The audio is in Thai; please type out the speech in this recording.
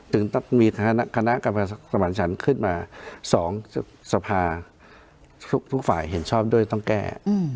มีคณะกรรมการสมานฉันขึ้นมา๒สภาทุกฝ่ายเห็นชอบด้วยต้องแก้